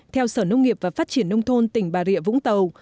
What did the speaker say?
theo sở nông nghiệp và phát triển nông thôn tỉnh bà rịa vũng tàu